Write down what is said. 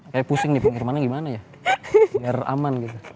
kayak pusing nih pinggir mana gimana ya biar aman gitu